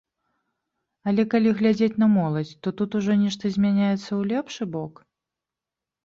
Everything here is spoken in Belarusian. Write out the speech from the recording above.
Але калі глядзець на моладзь, то тут ужо нешта змяняецца ў лепшы бок?